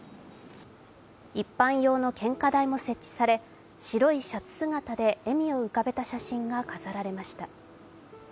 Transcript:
一般用の献花台も設置され白いシャツ姿で笑みを浮かべた写真が飾られました。